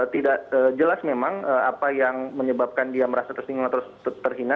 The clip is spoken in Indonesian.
tidak jelas memang apa yang menyebabkan dia merasa tersinggung atau terhina